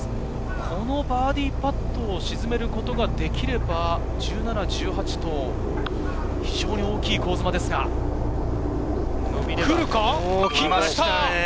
このバーディーパットを沈めることができれば、１７、１８と非常に大きい香妻ですが、来るか？来ました。